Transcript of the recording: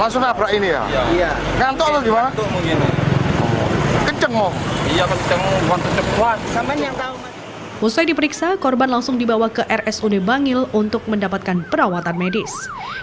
selesai diperiksa korban langsung dibawa ke rsud bangil untuk mendapatkan perawatan medis